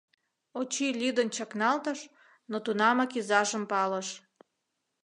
Очи лӱдын чакналтыш, но тунамак изажым палыш.